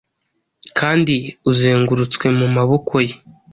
kandi uzengurutswe mu maboko ye!